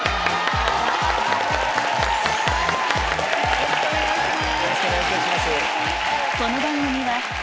よろしくお願いします。